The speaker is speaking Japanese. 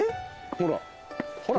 ほらほら。